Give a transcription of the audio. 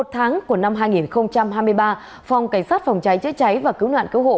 một mươi một tháng của năm hai nghìn hai mươi ba phòng cảnh sát phòng cháy cháy cháy và cứu nạn cứu hộ